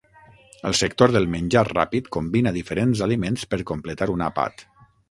El sector del menjar ràpid combina diferents aliments per completar un àpat.